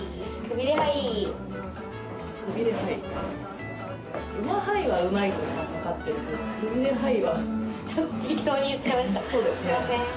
すいません